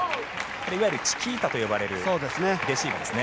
いわゆるチキータと呼ばれるレシーブですね。